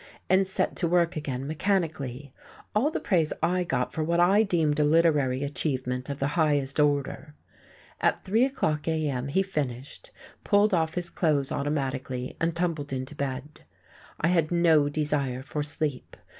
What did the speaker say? and set to work again, mechanically, all the praise I got for what I deemed a literary achievement of the highest order! At three o'clock, a.m., he finished, pulled off his clothes automatically and tumbled into bed. I had no desire for sleep.